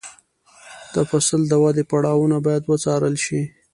د فصل د ودې پړاوونه باید وڅارل شي.